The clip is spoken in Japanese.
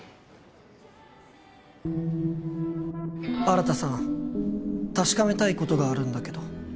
新さん確かめたいことがあるんだけど。